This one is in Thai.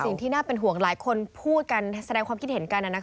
สิ่งที่น่าเป็นห่วงหลายคนพูดกันแสดงความคิดเห็นกัน